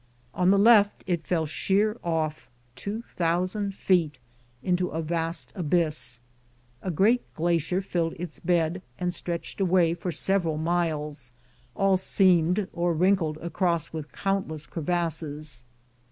On the left it fell sheer off, two thousand feet, into a vast abyss. A great glacier filled its bed and stretched away for several miles, all seamed or wrinkled across with count less crevasses.